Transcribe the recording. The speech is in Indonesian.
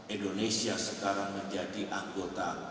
indonesia sekarang menjadi anggota